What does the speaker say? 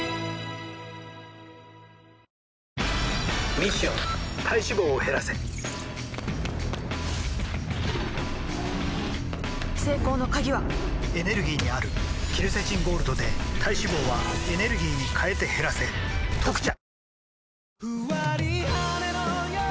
ミッション体脂肪を減らせ成功の鍵はエネルギーにあるケルセチンゴールドで体脂肪はエネルギーに変えて減らせ「特茶」